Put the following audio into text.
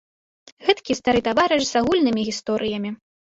Гэткі стары таварыш з агульнымі гісторыямі.